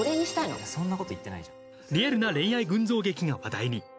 リアルな恋愛群像劇が話題に。